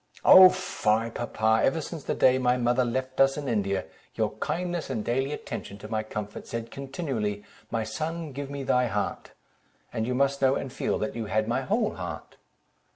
"Oh! fie, papa—ever since the day my mother left us in India, your kindness and daily attention to my comfort, said continually, 'my son, give me thy heart,' and you must know and feel, that you had my whole heart."